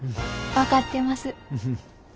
分かってます。